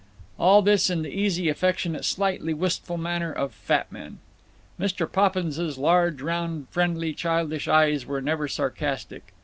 All this in the easy, affectionate, slightly wistful manner of fat men. Mr. Poppins's large round friendly childish eyes were never sarcastic.